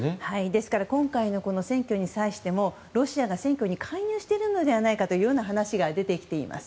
ですから今回の選挙に際してもロシアが選挙に介入しているのではないかという話が出てきています。